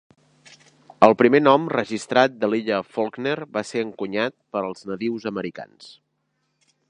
El primer nom registrat de l'illa Falkner va ser encunyat pels nadius americans.